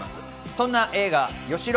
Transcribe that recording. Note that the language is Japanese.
そんな映画、よしひろ